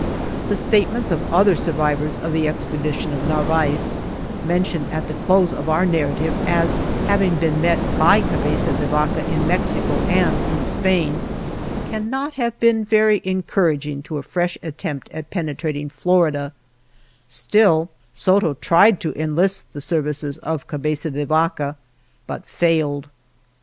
The statements of other sur vivors of the expedition of Narvaez (men tioned at the close of our narrative as having been met by Cabeza de Vaca in Mexico and in Spain) cannot have been very encourag ing to a fresh attempt at penetrating Florida, ix INTRODUCTION Still, Soto tried to enlist the services of Cabeza de Vaca, but failed.